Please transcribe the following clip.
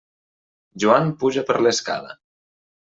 Joan puja per l'escala.